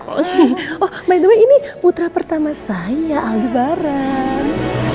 oh by the way ini putra pertama saya aldi baran